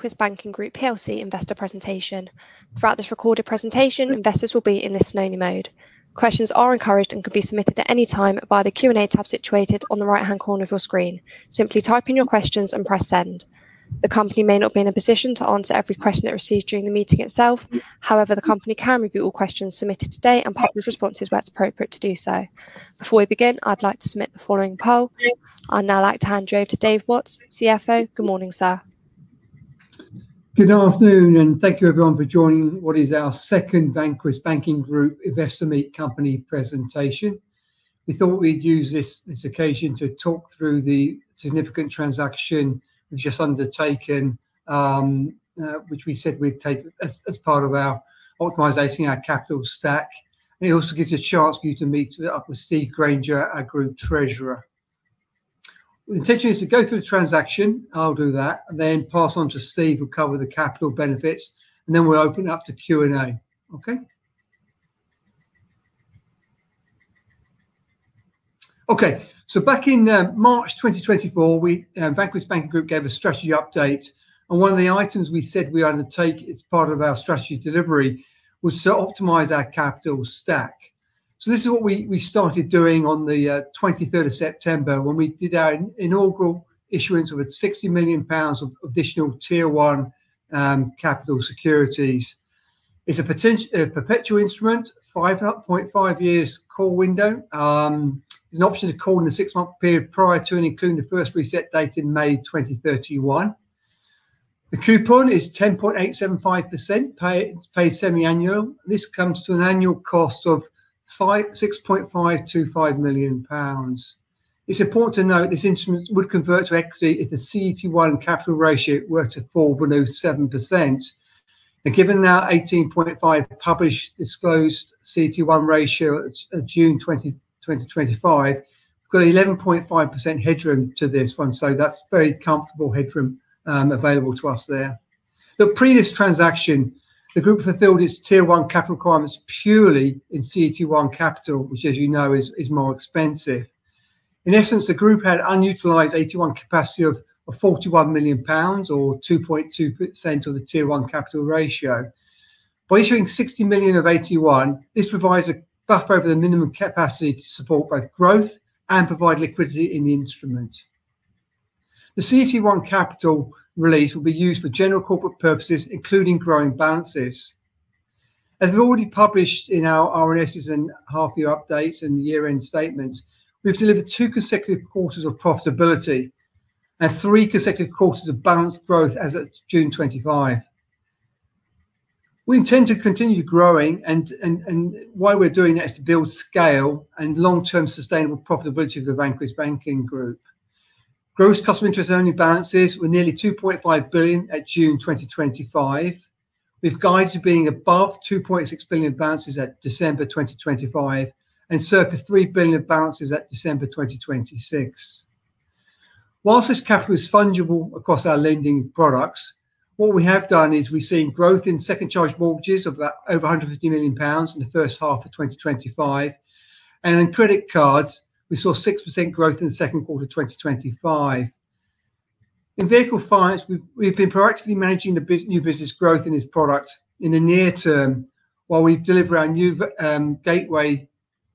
Vanquis Banking Group PLC investor presentation. Throughout this recorded presentation, investors will be in listen-only mode. Questions are encouraged and can be submitted at any time via the Q&A tab situated on the right-hand corner of your screen. Simply type in your questions and press send. The company may not be in a position to answer every question it receives during the meeting itself. However, the company can review all questions submitted today and publish responses where it's appropriate to do so. Before we begin, I'd like to submit the following poll. I'd now like to hand you over to Dave Watts, CFO. Good morning, sir. Good afternoon, and thank you, everyone, for joining what is our second Vanquis Banking Group Investor Meet Company presentation. We thought we'd use this occasion to talk through the significant transaction we've just undertaken, which we said we'd take as part of our optimization of our capital stack. It also gives a chance for you to meet up with Steve Grainger, our Group Treasurer. The intention is to go through the transaction. I'll do that, and then pass on to Steve who'll cover the capital benefits, and then we'll open it up to Q&A. Okay? Okay. Back in March 2024, Vanquis Banking gave a strategy update, and one of the items we said we'd undertake as part of our strategy delivery was to optimize our capital stack. This is what we started doing on the 23rd of September when we did our inaugural issuance of 60 million pounds of Additional Tier 1 capital securities. It's a perpetual instrument, 5.5 years call window. There's an option to call in a six-month period prior to and including the first reset date in May 2031. The coupon is 10.875%, paid semi-annual. This comes to an annual cost of 6.525 million pounds. It's important to note this instrument would convert to equity if the CET1 capital ratio were to fall below 7%. Given our 18.5% published disclosed CET1 ratio of June 2025, we've got 11.5% headroom to this one, so that's a very comfortable headroom available to us there. The previous transaction, the group fulfilled its Tier 1 capital requirements purely in CET1 capital, which, as you know, is more expensive. In essence, the group had unutilized AT1 capacity of 41 million pounds or 2.2% of the Tier 1 capital ratio. By issuing 60 million of AT1, this provides a buffer over the minimum capacity to support both growth and provide liquidity in the instrument. The CET1 capital release will be used for general corporate purposes, including growing balances. As we've already published in our RNSs and half-year updates and year-end statements, we've delivered two consecutive quarters of profitability and three consecutive quarters of balance growth as of June 2025. We intend to continue growing, and why we're doing that is to build scale and long-term sustainable profitability of the Vanquis Banking Group. Gross customer interest-earning balances were nearly 2.5 billion at June 2025. We've guided to being above 2.6 billion of balances at December 2025 and circa 3 billion of balances at December 2026. Whilst this capital is fungible across our lending products, what we have done is we've seen growth in second-charge mortgages of over 150 million pounds in the first half of 2025. In credit cards, we saw 6% growth in the second quarter of 2025. In vehicle finance, we've been proactively managing the new business growth in this product in the near term while we've delivered our new gateway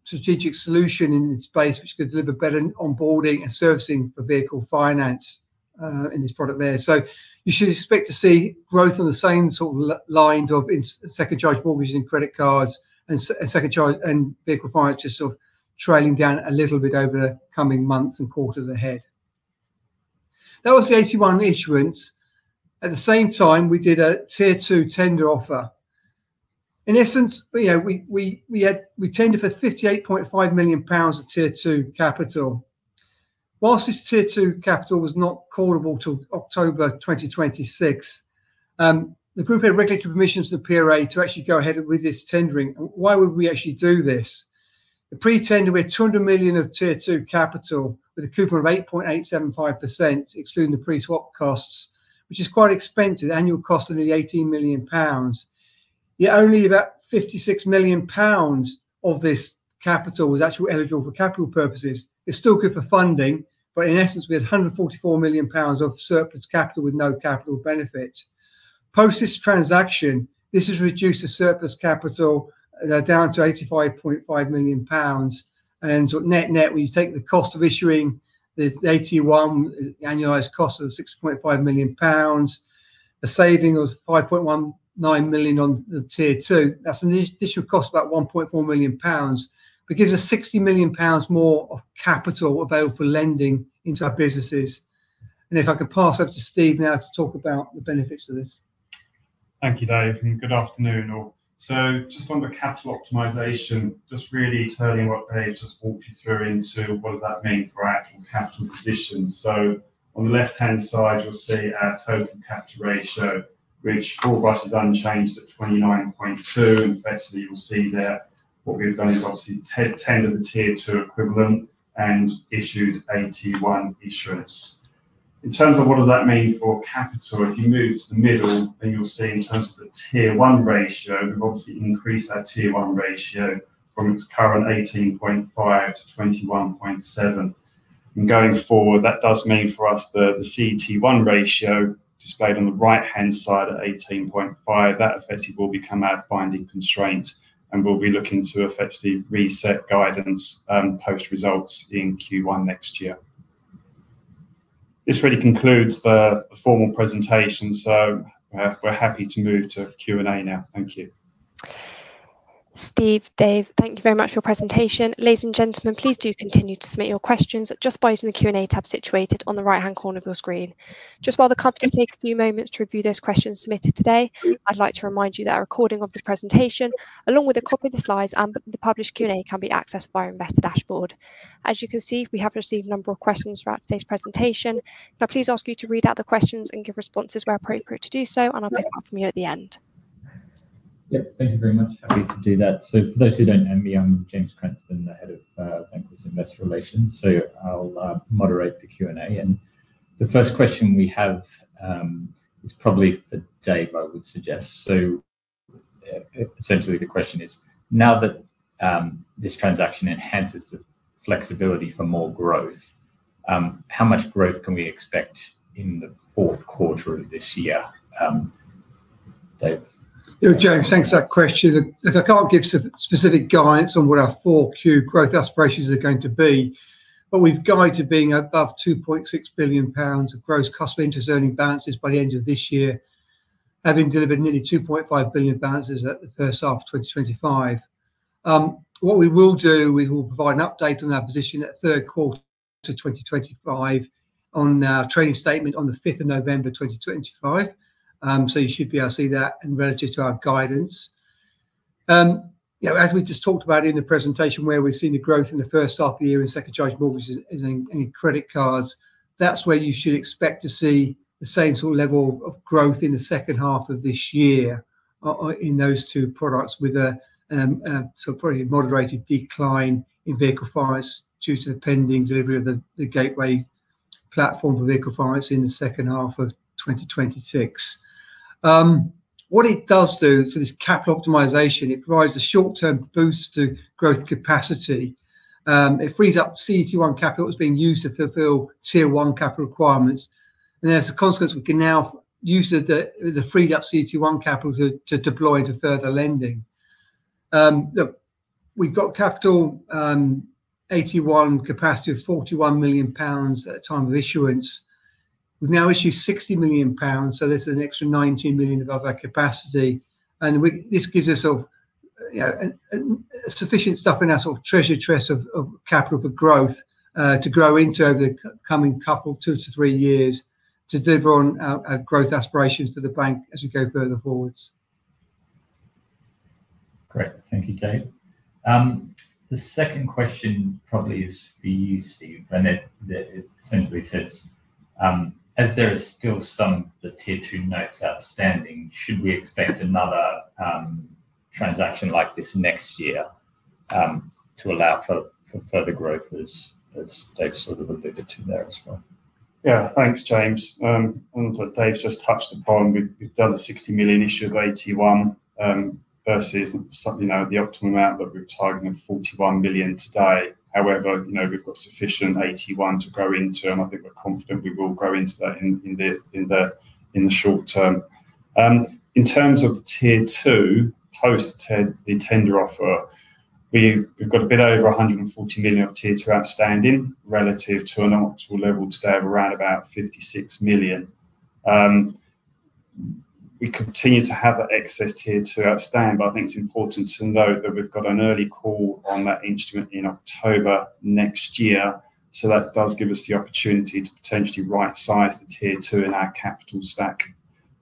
strategic solution in this space, which could deliver better onboarding and servicing for vehicle finance in this product there. You should expect to see growth on the same sort of lines of second-charge mortgages and credit cards and second-charge and vehicle finance just sort of trailing down a little bit over the coming months and quarters ahead. That was the AT1 issuance. At the same time, we did a tier-two tender offer. In essence, we tendered for 58.5 million pounds of tier-two capital. Whilst this tier-two capital was not callable till October 2026, the group had regulatory permissions to the PRA to actually go ahead with this tendering. Why would we actually do this? The pre-tender we had 200 million of tier-two capital with a coupon of 8.875%, excluding the pre-swap costs, which is quite expensive, annual costs under the 18 million pounds. Yet only about 56 million pounds of this capital was actually eligible for capital purposes. It's still good for funding, but in essence, we had 144 million pounds of surplus capital with no capital benefits. Post this transaction, this has reduced the surplus capital down to 85.5 million pounds. Net-net, when you take the cost of issuing the AT1, the annualized cost of 6.5 million pounds, the saving of 5.19 million on the tier-two, that's an additional cost of about 1.4 million pounds. It gives us 60 million pounds more of capital available for lending into our businesses. If I could pass over to Steve now to talk about the benefits of this. Thank you, Dave, and good afternoon all. Just on the capital optimization, really turning what Dave just walked you through into what does that mean for our actual capital position? On the left-hand side, you'll see our total capital ratio, which for us is unchanged at 29.2%. Effectively, you'll see there what we've done is obviously tendered the Tier 2 equivalent and issued AT1 issuance. In terms of what does that mean for capital, if you move to the middle, you'll see in terms of the Tier 1 ratio, we've obviously increased our Tier 1 ratio from its current 18.5%-21.7%. Going forward, that does mean for us the CET1 ratio displayed on the right-hand side at 18.5%, that effectively will become our binding constraint and we'll be looking to effectively reset guidance post-results in Q1 next year. This really concludes the formal presentation, so we're happy to move to Q&A now. Thank you. Steve, Dave, thank you very much for your presentation. Ladies and gentlemen, please do continue to submit your questions just by using the Q&A tab situated on the right-hand corner of your screen. While the company takes a few moments to review those questions submitted today, I'd like to remind you that a recording of this presentation, along with a copy of the slides and the published Q&A, can be accessed via Investor Dashboard. As you can see, we have received a number of questions throughout today's presentation. Now, please ask you to read out the questions and give responses where appropriate to do so, and I'll pick up from you at the end. Thank you very much. Happy to do that. For those who don't know me, I'm James Cranstoun, the Head of Investor Relations at Vanquis. I'll moderate the Q&A. The first question we have is probably for Dave, I would suggest. The question is, now that this transaction enhances the flexibility for more growth, how much growth can we expect in the fourth quarter of this year? Dave? Yeah, James, thanks for that question. I can't give specific guidance on what our 4Q growth aspirations are going to be, but we've guided to being above 2.6 billion pounds of gross customer interest-earning balances by the end of this year, having delivered nearly 2.5 billion balances at the first half of 2025. We will provide an update on our position at third quarter 2025 on our trading statement on the 5th of November 2025. You should be able to see that and relative to our guidance. As we just talked about in the presentation, where we've seen the growth in the first half of the year in second-charge mortgages and in credit cards, that's where you should expect to see the same sort of level of growth in the second half of this year in those two products, with probably a moderated decline in vehicle finance due to the pending delivery of the gateway platform for vehicle finance in the second half of 2026. What it does do for this capital optimization, it provides a short-term boost to growth capacity. It frees up CET1 capital that's being used to fulfill Tier 1 capital requirements. As a consequence, we can now use the freed-up CET1 capital to deploy into further lending. We've got capital AT1 capacity of 41 million pounds at the time of issuance. We've now issued 60 million pounds, so this is an extra 90 million above our capacity. This gives us sufficient stuff in our sort of treasure chest of capital for growth to grow into over the coming couple two to three years to deliver on our growth aspirations to the bank as we go further forwards. Great. Thank you, Dave. The second question probably is for you, Steve, and it essentially says, as there are still some of the Tier 2 notes outstanding, should we expect another transaction like this next year to allow for further growth, as Dave sort of alluded to there as well? Yeah, thanks, James. What Dave's just touched upon, we've done the 60 million issue of AT1 versus the optimum amount that we're targeting of 41 million today. However, we've got sufficient AT1 to grow into, and I think we're confident we will grow into that in the short term. In terms of the tier-two post-tender offer, we've got a bit over 140 million of tier-two outstanding relative to an optimal level today of around 56 million. We continue to have that excess tier-two outstanding, but I think it's important to note that we've got an early call on that instrument in October next year. That does give us the opportunity to potentially right-size the tier-two in our capital stack.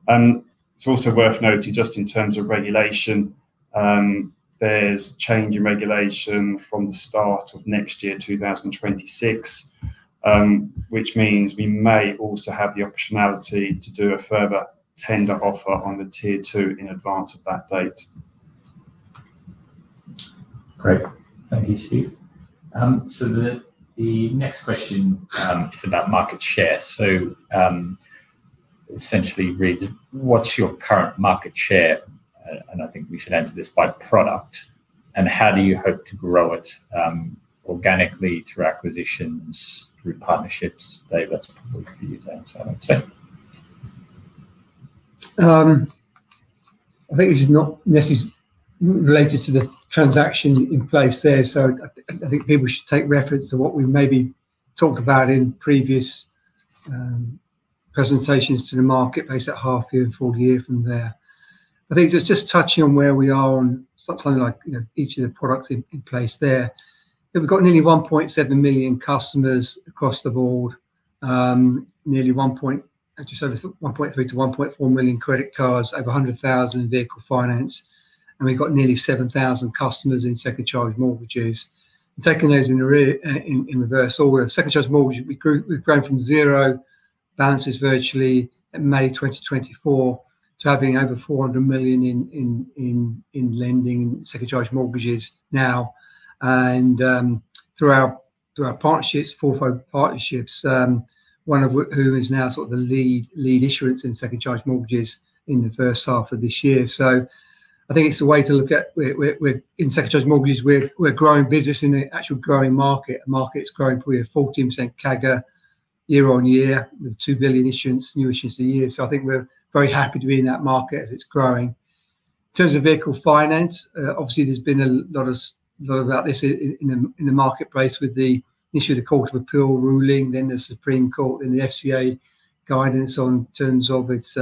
It's also worth noting, just in terms of regulation, there's change in regulation from the start of next year, 2026, which means we may also have the optionality to do a further tender offer on the tier-two in advance of that date. Great. Thank you, Steve. The next question is about market share. What's your current market share? I think we should answer this by product. How do you hope to grow it organically, through acquisitions, through partnerships? Dave, that's probably for you to answer, I would say. I think this is not necessarily related to the transaction in place there. I think people should take reference to what we've maybe talked about in previous presentations to the marketplace at half-year and full year from there. Just touching on where we are on something like each of the products in place there, we've got nearly 1.7 million customers across the board, nearly 1.3 million-1.4 million credit cards, over 100,000 in vehicle finance, and we've got nearly 7,000 customers in second-charge mortgages. Taking those in reverse, all the second-charge mortgages, we've grown from zero balances virtually in May 2024 to having over 400 million in lending in second-charge mortgages now. Through our partnerships, four-fold partnerships, one of which is now sort of the lead issuance in second-charge mortgages in the first half of this year. I think it's a way to look at, in second-charge mortgages, we're growing business in the actual growing market. The market's growing probably a 14% CAGR year-on-year with 2 billion new issuance a year. I think we're very happy to be in that market as it's growing. In terms of vehicle finance, obviously, there's been a lot about this in the marketplace with the initial Court of Appeal ruling, then the Supreme Court, then the FCA guidance on terms of its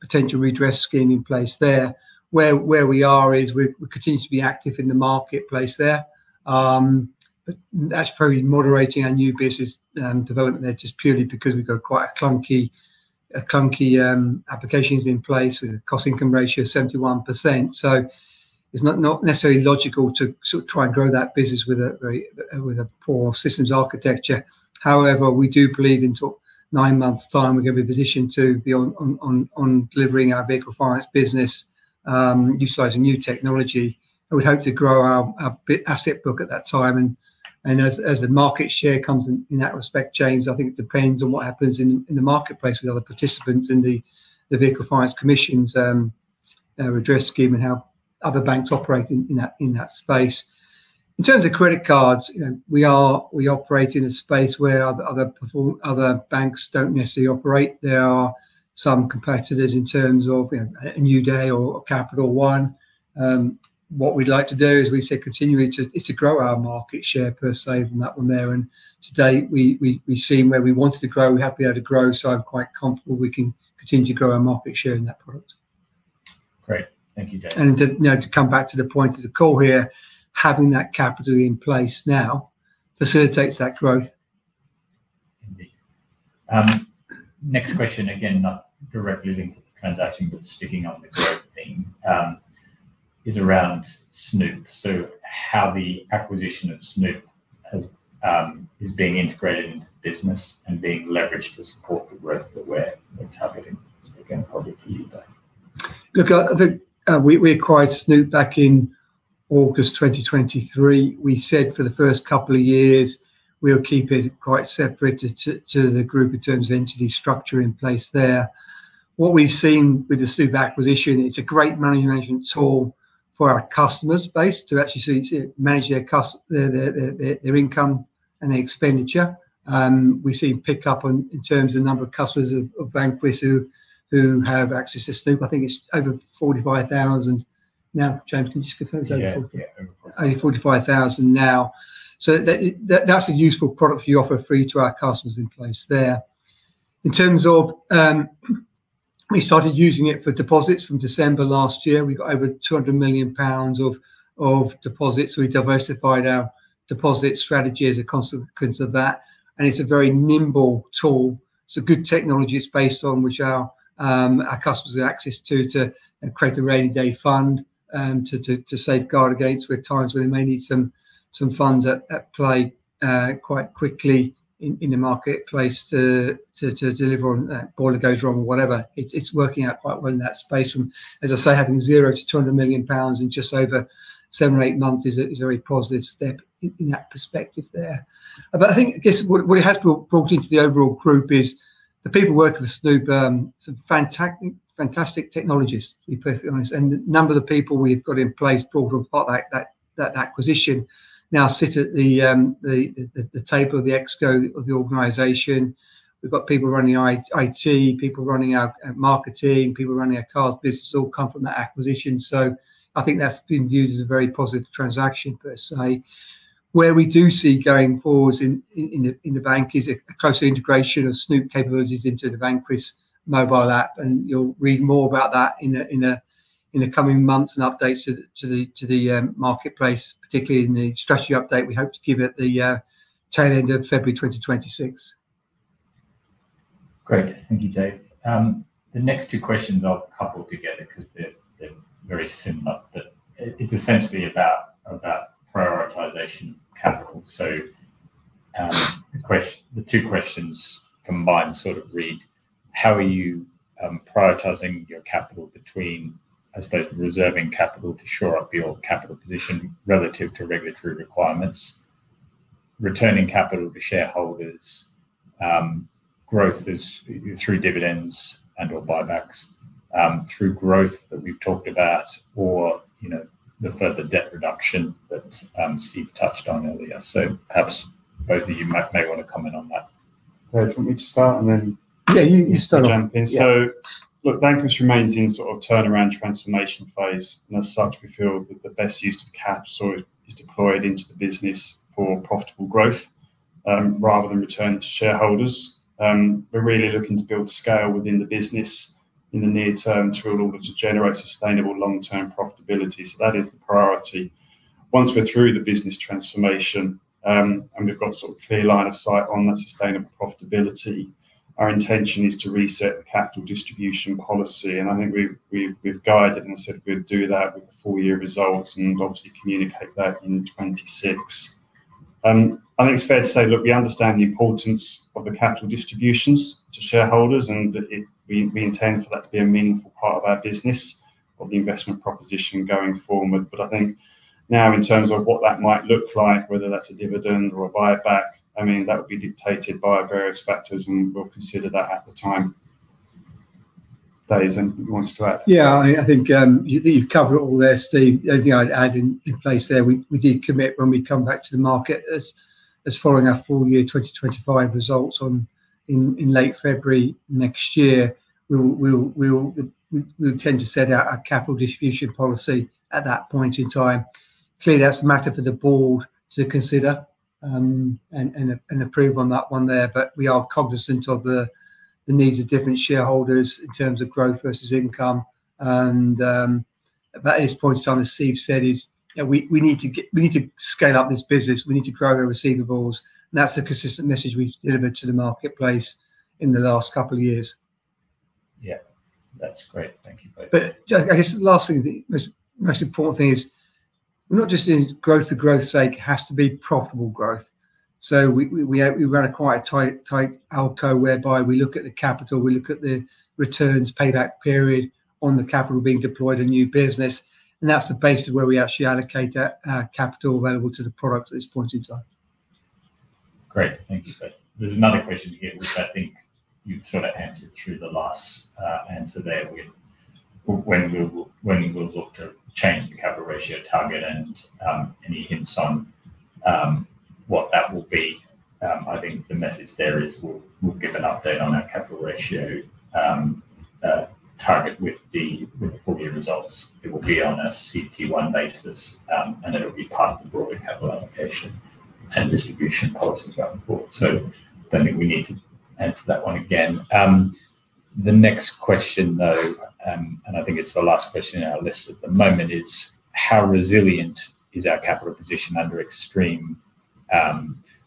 potential redress scheme in place there. Where we are is we continue to be active in the marketplace there. That's probably moderating our new business development there just purely because we've got quite a clunky applications in place with a cost-income ratio of 71%. It's not necessarily logical to try and grow that business with a poor systems architecture. However, we do believe in sort of nine months' time, we're going to be positioned to be on delivering our vehicle finance business, utilizing new technology. We'd hope to grow our asset book at that time. As the market share comes in that respect, James, I think it depends on what happens in the marketplace with other participants in the vehicle finance commissions redress scheme and how other banks operate in that space. In terms of credit cards, we operate in a space where other banks don't necessarily operate. There are some competitors in terms of a NewDay or Capital One. What we'd like to do, as we said continually, is to grow our market share per se from that one there. Today, we've seen where we wanted to grow we have been able to grow, so I'm quite comfortable we can continue to grow our market share in that product. Great. Thank you, Dave. To come back to the point of the call here, having that capital in place now facilitates that growth. Indeed. Next question, again, not directly linked to the transaction, but sticking on the growth theme, is around Snoop. How the acquisition of Snoop is being integrated into the business and being leveraged to support the growth that we're targeting. Again, probably to you, Dave. Look, I think we acquired Snoop back in August 2023. We said for the first couple of years, we'll keep it quite separate to the group in terms of entity structure in place there. What we've seen with the Snoop acquisition, it's a great management tool for our customers' base to actually manage their income and their expenditure. We've seen pickup in terms of the number of customers of Vanquis who have access to Snoop. I think it's over 45,000 now. James, can you just confirm? Yeah, yeah, over 45,000. Over 45,000 now. That's a useful product for you to offer free to our customers in place there. In terms of we started using it for deposits from December last year, we got over 200 million pounds of deposits. We diversified our deposit strategy as a consequence of that, and it's a very nimble tool. It's a good technology it's based on, which our customers have access to, to create a rainy-day fund to safeguard against times where they may need some funds at play quite quickly in the marketplace to deliver on that boiler goes wrong or whatever. It's working out quite well in that space. As I say, having zero to 200 million pounds in just over seven or eight months is a very positive step in that perspective there. I guess what it has brought into the overall group is the people working with Snoop are some fantastic technologists, to be perfectly honest. The number of the people we've got in place brought on board that acquisition now sit at the table of the ExCo of the organization. We've got people running IT, people running our marketing, people running our cards business, all come from that acquisition. I think that's been viewed as a very positive transaction per se. Where we do see going forwards in the bank is a closer integration of Snoop capabilities into the Vanquis mobile app. You'll read more about that in the coming months and updates to the marketplace, particularly in the strategy update we hope to give at the tail end of February 2026. Great. Thank you, Dave. The next two questions are coupled together because they're very similar, but it's essentially about prioritization of capital. The two questions combined sort of read, how are you prioritizing your capital between, I suppose, reserving capital to shore up your capital position relative to regulatory requirements, returning capital to shareholders, growth through dividends and/or buybacks, through growth that we've talked about, or the further debt reduction that Steve touched on earlier. Perhaps both of you may want to comment on that. Great. Want me to start, and then? Yeah, you start. Jump in. Vanquis remains in sort of turnaround transformation phase, and as such, we feel that the best use of capital is deployed into the business for profitable growth rather than return to shareholders. We're really looking to build scale within the business in the near term to be able to generate sustainable long-term profitability. That is the priority. Once we're through the business transformation and we've got a sort of clear line of sight on that sustainable profitability, our intention is to reset the capital distribution policy. I think we've guided and said we'd do that with the full-year results and obviously communicate that in 2026. I think it's fair to say we understand the importance of the capital distributions to shareholders and that we intend for that to be a meaningful part of our business of the investment proposition going forward. I think now in terms of what that might look like, whether that's a dividend or a buyback, that would be dictated by various factors, and we'll consider that at the time. Dave, anything you wanted to add? Yeah, I think you've covered all there, Steve. The only thing I'd add in place there, we did commit when we come back to the market as following our full-year 2025 results in late February next year. We'll tend to set out a capital distribution policy at that point in time. Clearly, that's a matter for the Board to consider and approve on that one there, but we are cognizant of the needs of different shareholders in terms of growth versus income. That is pointed on, as Steve said, is that we need to scale up this business. We need to grow our receivables. That's a consistent message we've delivered to the marketplace in the last couple of years. Yeah, that's great. Thank you both. I guess the last thing, the most important thing is we're not just in growth for growth's sake. It has to be profitable growth. We run quite a tight ALCO whereby we look at the capital, we look at the returns, payback period on the capital being deployed in new business. That's the basis where we actually allocate our capital available to the product at this point in time. Great. Thank you both. There's another question here, which I think you've sort of answered through the last answer there, when we'll look to change the capital ratio target and any hints on what that will be. I think the message there is we'll give an update on our capital ratio target with the full-year results. It will be on a CET1 basis, and it'll be part of the broader capital allocation and distribution policies going forward. I don't think we need to answer that one again. The next question, though, and I think it's the last question in our list at the moment, is how resilient is our capital position under extreme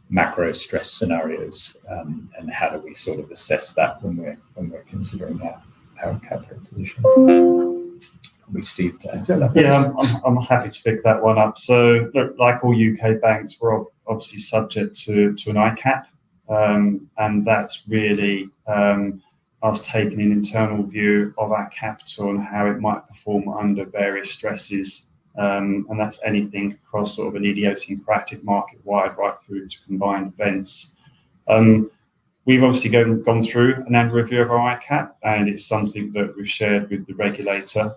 macro stress scenarios, and how do we sort of assess that when we're considering our capital position? Would be Steve to answer that one? Yeah, I'm happy to pick that one up. Like all UK banks, we're obviously subject to an ICAAP, and that's really us taking an internal view of our capital and how it might perform under various stresses. That's anything across sort of an idiosyncratic market wide right through to combined events. We've obviously gone through an annual review of our ICAAP, and it's something that we've shared with the regulator.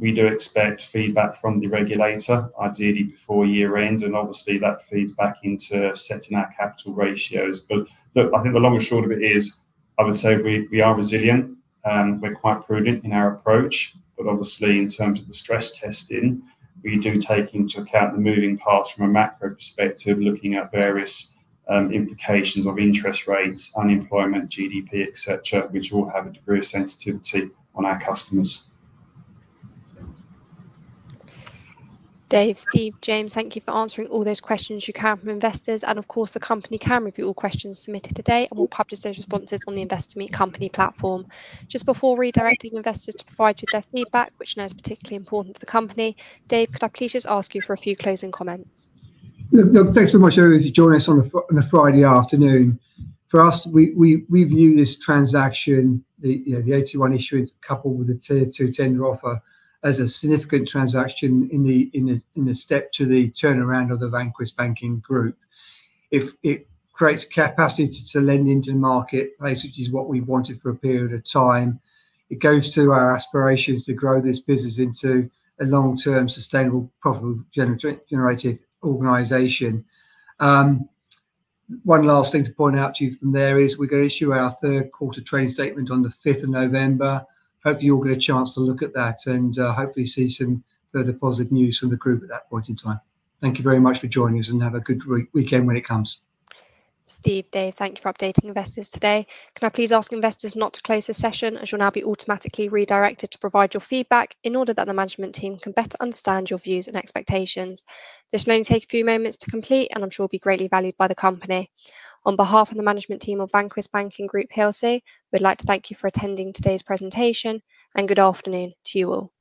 We do expect feedback from the regulator, ideally before year-end, and obviously that feeds back into setting our capital ratios. I think the long and short of it is, I would say we are resilient. We're quite prudent in our approach, but obviously in terms of the stress testing, we do take into account the moving parts from a macro perspective, looking at various implications of interest rates, unemployment, GDP, etc., which all have a degree of sensitivity on our customers. Dave, Steve, James, thank you for answering all those questions you can from investors. Of course, the company can review all questions submitted today, and we'll publish those responses on the Investor Meet Company platform. Just before redirecting investors to provide you with their feedback, which I know is particularly important to the company, Dave, could I please just ask you for a few closing comments? Look, thanks very much for joining us on a Friday afternoon. For us, we view this transaction, the AT1 issuance coupled with the Tier 2 tender offer, as a significant transaction in the step to the turnaround of the Vanquis Banking Group. If it creates capacity to lend into the marketplace, which is what we wanted for a period of time, it goes to our aspirations to grow this business into a long-term sustainable profitable generative organization. One last thing to point out to you from there is we're going to issue our third quarter trading statement on the 5th of November. Hopefully, you'll get a chance to look at that and hopefully see some further positive news from the group at that point in time. Thank you very much for joining us, and have a good weekend when it comes. Steve, Dave, thank you for updating investors today. Can I please ask investors not to close the session, as you'll now be automatically redirected to provide your feedback in order that the management team can better understand your views and expectations? This may take a few moments to complete, and I'm sure it will be greatly valued by the company. On behalf of the management team of Vanquis Banking Group PLC, we'd like to thank you for attending today's presentation, and good afternoon to you all.